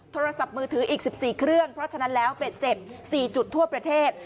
โทรศัพท์มือถืออีก๑๔เครื่องเพราะฉะนั้นแล้วเบ็ดเสร็จ๔จุดทั่วประเทศ